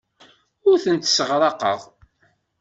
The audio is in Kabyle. Ur tent-sseɣraqeɣ.